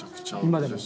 今でも。